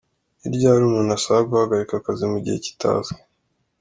Ni ryari umuntu asaba guhagarika akazi mu gihe kitazwi?.